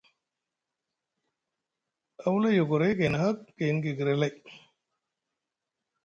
A wula yogoray gayni hak gayni gegre lay.